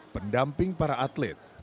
pendamping para atlet